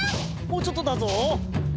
もうちょっとだぞ！